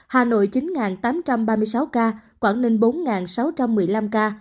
hà nội chín tám trăm ba mươi sáu ca quảng ninh bốn sáu trăm một mươi năm ca